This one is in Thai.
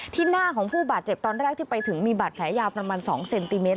หน้าของผู้บาดเจ็บตอนแรกที่ไปถึงมีบาดแผลยาวประมาณ๒เซนติเมตร